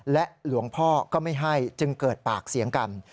และหลวงพ่อก็ไม่ให้จึงเกิดปากเสียงกัน